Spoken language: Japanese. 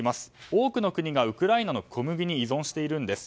多くの国がウクライナの小麦に依存しているんです。